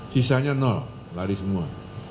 sisanya lari semua